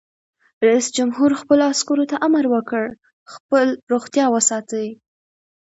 رئیس جمهور خپلو عسکرو ته امر وکړ؛ خپله روغتیا وساتئ!